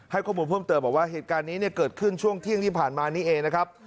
ข้อมูลเพิ่มเติมบอกว่าเหตุการณ์นี้เนี่ยเกิดขึ้นช่วงเที่ยงที่ผ่านมานี้เองนะครับ